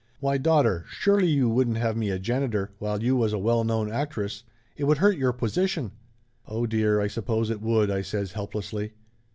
"Why, daughter, surely you wouldn't have me a janitor, while you was a well known actress? It would hurt your position !" "Oh, dear, I suppose it would!" I says helplessly.